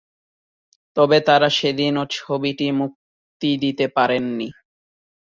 তবে তারা সেদিন ও ছবিটি মুক্তি দিতে পারেননি।